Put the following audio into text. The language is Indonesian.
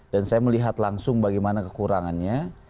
dan saya melihat langsung bagaimana kekurangannya